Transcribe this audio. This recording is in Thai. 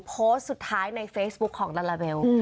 โพสต์สุดท้ายในเฟซบุ๊คของลาลาเบล